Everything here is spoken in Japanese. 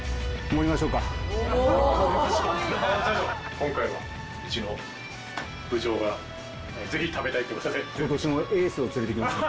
今回はうちの部長がぜひ食べたいと。